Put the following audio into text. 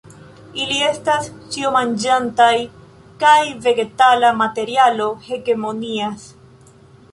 Ili estas ĉiomanĝantaj, kaj vegetala materialo hegemonias.